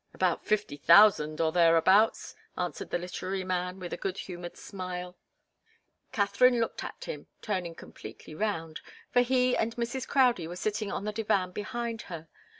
"About fifty thousand, or thereabouts," answered the literary man, with a good humoured smile. Katharine looked at him, turning completely round, for he and Mrs. Crowdie were sitting on the divan behind her.